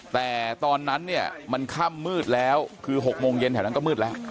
แต่ตอนนั้นเนี่ยมันค่ำมืดแล้วคือ๖โมงเย็นแถวนั้นก็มืดแล้ว